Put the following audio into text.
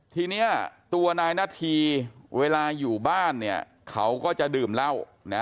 ทีนี้ตัวนายนาธีศรีรัตน์เวลาอยู่บ้านเขาก็จะดื่มเหล้า